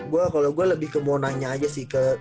gue kalau gue lebih ke mau nanya aja sih